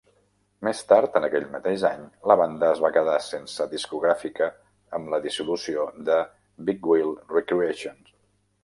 Més tard en aquell mateix any, la banda es va quedar sense discogràfica amb la dissolució de Big Wheel Recreation.